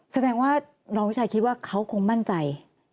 แสดงว่ารองวิชัยคิดว่าเขาคงมั่นใจ